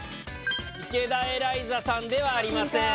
池田エライザさんではありません。